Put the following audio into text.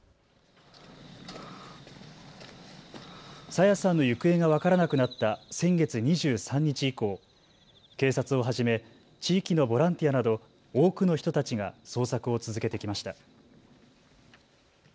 朝芽さんの行方が分からなくなった先月２３日以降、警察をはじめ地域のボランティアなど多くの人たちが捜索を続けてきました。